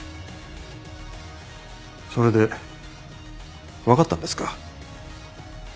それで分かったんですか？